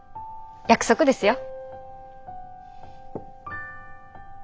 約束ですよ。